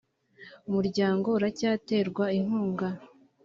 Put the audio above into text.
umuryango uracyaterwa inkunga .